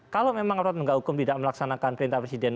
kalau memang aparat penegak hukum tidak melaksanakan perintah presiden